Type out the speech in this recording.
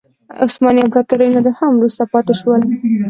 عثماني امپراتوري نور هم وروسته پاتې شول.